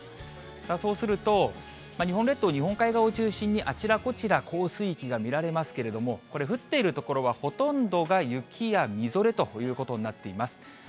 そうすると、日本列島、日本海側を中心に、あちらこちら降水域が見られますけれども、これ、降っている所はほとんどが雪やみぞれということになっています。